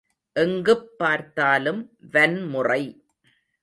எங்குப் பார்த்தாலும் வன்முறை!